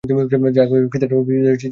চা খেয়ে খিদেটা চেপে রাখার ব্যবস্থা করুন।